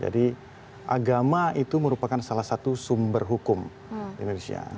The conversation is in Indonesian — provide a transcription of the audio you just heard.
jadi agama itu merupakan salah satu sumber hukum di indonesia